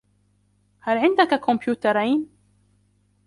هل عندك كمبيوترين؟